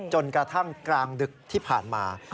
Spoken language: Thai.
จนกระทั่งกลางดึกที่ผ่านมา